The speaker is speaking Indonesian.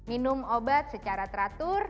minum obat secara teratur